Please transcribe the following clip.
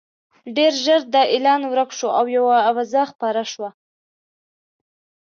ډېر ژر دا اعلان ورک شو او یوه اوازه خپره شوه.